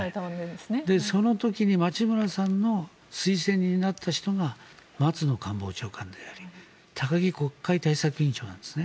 その時に町村さんの推薦人になった人が松野官房長官であり高木国会対策委員長なんです。